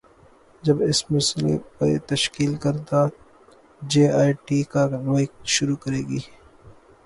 جب اس مسئلے پہ تشکیل کردہ جے آئی ٹی کارروائی شروع کرے گی۔